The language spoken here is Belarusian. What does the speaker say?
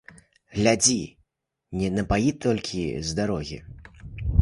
Глядзі не напаі толькі з дарогі.